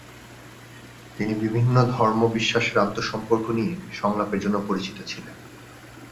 তিনি বিভিন্ন ধর্ম বিশ্বাসের আন্তঃসম্পর্ক নিয়ে সংলাপের জন্য পরিচিত ছিলেন।